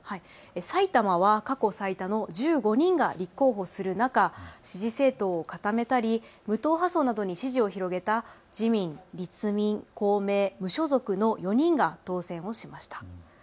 埼玉は過去最多の１５人が立候補する中、支持政党を固めたり無党派層などに支持を広げた自民、立民、公明、無所属の４人が当選しました。